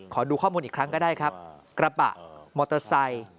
ขอดูข้อมูลอีกครั้งก็ได้ครับกระบะมอเตอร์ไซค์